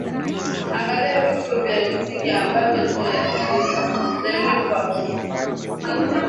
angalia vitu vya msingi ambavyo tutavijadili kwa kina